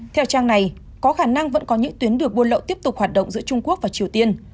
theo trang này có khả năng vẫn có những tuyến đường buôn lậu tiếp tục hoạt động giữa trung quốc và triều tiên